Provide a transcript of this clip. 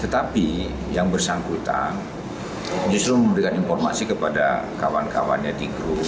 tapi yang bersangkutan justru memberikan informasi kepada kawan kawannya tigru